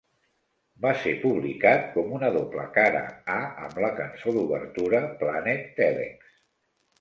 Va ser publicat com una doble cara A amb la cançó d'obertura "Planet Telex".